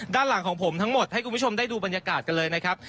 ด้านหลังของผมทั้งหมดให้คุณผู้ชมได้ดูบรรยากาศกันเลยนะครับ